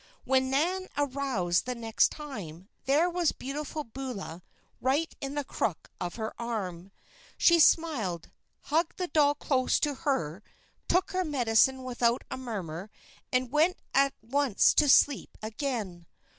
When Nan aroused the next time, there was Beautiful Beulah right in the crook of her arm. She smiled, hugged the doll close to her, took her medicine without a murmur, and went at once to sleep again.